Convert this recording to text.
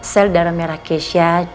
sel darah merah keisha